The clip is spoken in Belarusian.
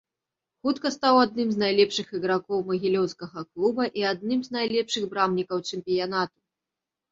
Хутка стаў адным з найлепшых ігракоў магілёўскага клуба і адным з найлепшых брамнікаў чэмпіянату.